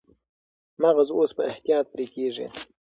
مغز اوس په احتیاط پرې کېږي.